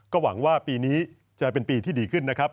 ก็หวังว่าปีนี้จะเป็นปีที่ดีขึ้นนะครับ